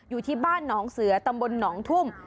อยู่ที่บ้านหนองเสือตำบลหนองทุ่ม